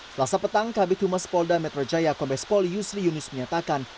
selasa petang kabit humas polda metro jaya kombes pol yusri yunus menyatakan